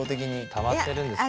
たまってるんですね。